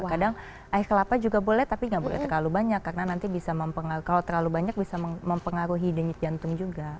kadang air kelapa juga boleh tapi nggak boleh terlalu banyak karena nanti bisa mempengaruhi jantung juga